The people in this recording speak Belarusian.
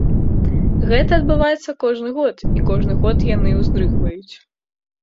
Гэта адбываецца кожны год, і кожны год яны ўздрыгваюць.